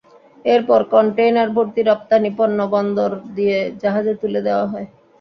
এরপর কনটেইনার ভর্তি রপ্তানি পণ্য বন্দর দিয়ে জাহাজে তুলে দেওয়া হয়।